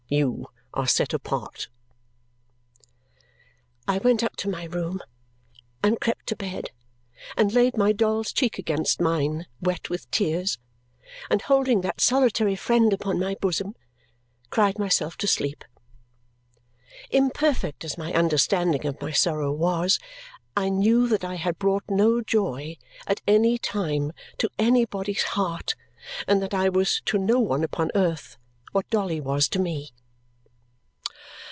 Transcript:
You are set apart." I went up to my room, and crept to bed, and laid my doll's cheek against mine wet with tears, and holding that solitary friend upon my bosom, cried myself to sleep. Imperfect as my understanding of my sorrow was, I knew that I had brought no joy at any time to anybody's heart and that I was to no one upon earth what Dolly was to me.